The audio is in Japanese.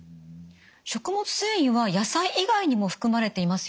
食物繊維は野菜以外にも含まれていますよね？